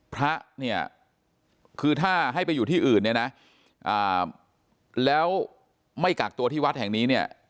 พระเนี่ยคือถ้าให้ไปอยู่ที่อื่นเนี่ยนะแล้วไม่กักตัวที่วัดแห่งนี้เนี่ย